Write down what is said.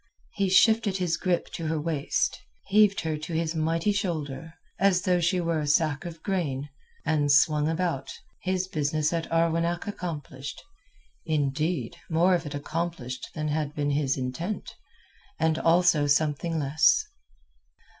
He shifted his grip to her waist, heaved her to his mighty shoulder, as though she were a sack of grain, and swung about, his business at Arwenack accomplished—indeed, more of it accomplished than had been his intent, and also something less.